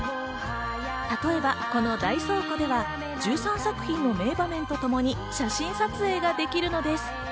例えばこの大倉庫では１３作品の名場面とともに写真撮影ができるのです。